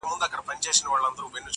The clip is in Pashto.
په دوکان یې عیال نه سو مړولای٫